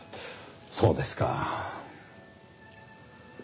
そうですか。